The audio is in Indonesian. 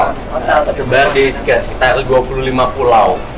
total tersebar di sekitar dua puluh lima pulau